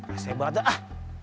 geseh banget ah